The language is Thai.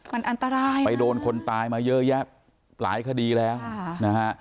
มันอันตรายไปโดนคนตายมาเยอะแยะหลายคดีแล้วนะฮะ